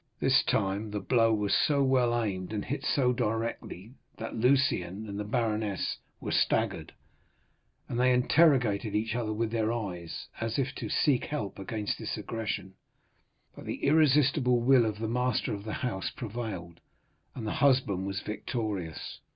This time the blow was so well aimed, and hit so directly, that Lucien and the baroness were staggered, and they interrogated each other with their eyes, as if to seek help against this aggression, but the irresistible will of the master of the house prevailed, and the husband was victorious.